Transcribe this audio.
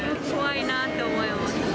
怖いなと思います。